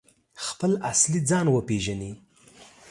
خپل اصلي ځان وپیژني؟